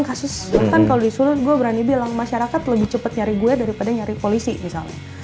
kasus bahkan kalau disuruh gue berani bilang masyarakat lebih cepat nyari gue daripada nyari polisi misalnya